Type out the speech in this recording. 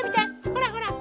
ほらほら。